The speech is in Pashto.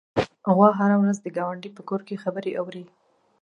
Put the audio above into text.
غوا هره ورځ د ګاونډي په کور کې خبرې اوري.